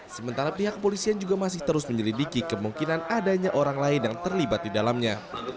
sementara pihak kepolisian juga masih terus menyelidiki kemungkinan adanya orang lain yang terlibat di dalamnya